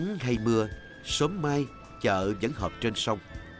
dù nắng hay mưa sớm mai chợ vẫn hợp trên sông